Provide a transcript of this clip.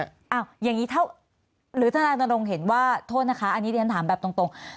อย่างนี้เท่าหรือทนายนรงค์เห็นว่าโทษนะคะอันนี้เรียนถามแบบตรง